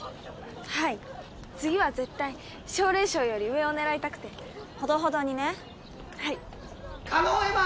はい次は絶対奨励賞より上を狙いたくてほどほどにねはい叶依麻！